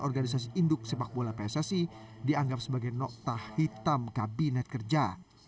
organisasi induk sepak bola pssi dianggap sebagai noktah hitam kabinet kerja